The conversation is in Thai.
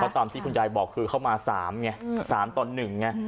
เพราะตามที่คุณยายบอกคือเข้ามา๓เนี่ย๓ตอน๑เนี่ย